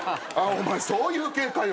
お前そういう系かよ。